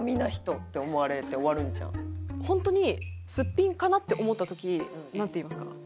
ホントにすっぴんかなって思った時なんて言いますか？